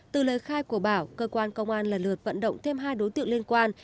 từ lời khai của bảo cơ quan công an lần lượt vận động thêm hai đối tượng liên quan